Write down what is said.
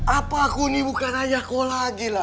apa aku ini bukan ayah kau lagi lam